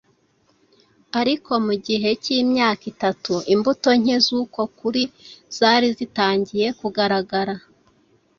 ariko mu gihe cy’imyaka itatu imbuto nke z’uko kuri zari zitangiye kugaragara.